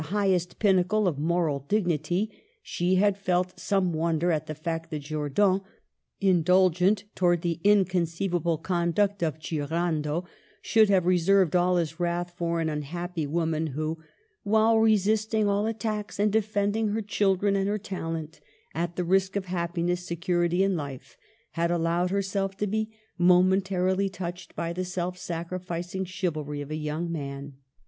» 1 67 highest pinnacle of moral dignity, she had felt some wonder at the fact that Jordan, "indulgent towards the inconceivable conduct of Girando/% should have reserved all his wrarh for an unhappy woman who, " while resisting all attacks and de fending her children and her talent at the risk of happiness, security, and life," had allowed her self to be momentarily touched by the self sacri ficing chivalry of a young man.